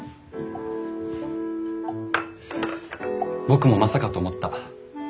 僕もまさかと思った。